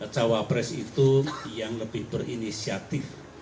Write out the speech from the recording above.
cawapres itu yang lebih berinisiatif